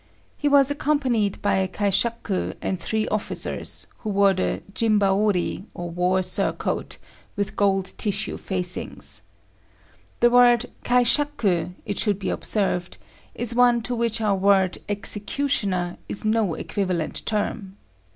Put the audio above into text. He was accompanied by a kaishaku and three officers, who wore the jimbaori or war surcoat with gold tissue facings. The word kaishaku, it should be observed, is one to which our word executioner is no equivalent term.